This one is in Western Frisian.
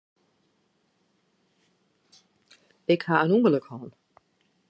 Ik ha in ûngelok hân.